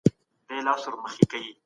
سیال هیواد اقتصادي بندیزونه نه مني.